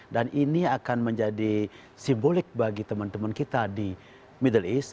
dan ini akan menjadi simbolik bagi teman teman kita di middle east